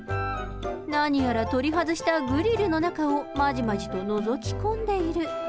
何やら、取り外したグリルの中をまじまじとのぞき込んでいる。